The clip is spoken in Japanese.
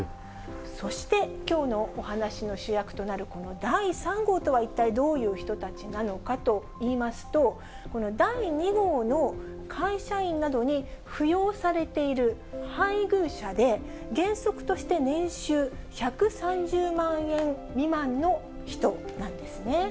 そして、きょうのお話の主役となるこの第３号とは一体どういう人たちなのかといいますと、この第２号の会社員などに扶養されている配偶者で、原則として年収１３０万円未満の人なんですね。